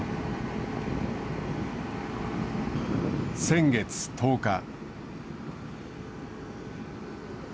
先月１０日。